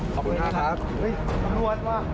ขอบคุณค่ะครับ